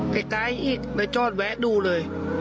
ใกล้อีกเลยจอดแวะดูเลย